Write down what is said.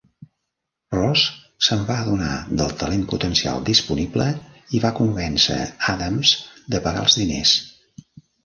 Ross se'n va adonar del talent potencial disponible i va convèncer Adams de pagar els diners.